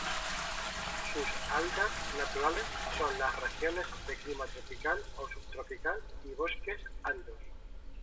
Sus hábitats naturales son las regiones de clima tropical o subtropical, y bosques áridos.